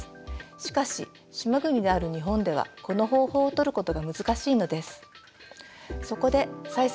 しかし島国である日本ではこの方法を取ることが難しいのです。